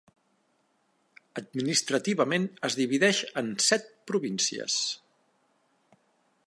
Administrativament es divideix en set províncies: